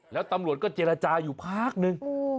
แล้วตำรวจก็เจรจาอยู่พักนึง